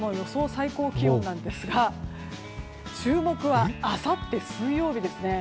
最高気温ですが注目は、あさって水曜日です。